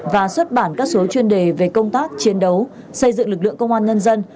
và xuất bản các số chuyên đề về công tác chiến đấu xây dựng lực lượng công an nhân dân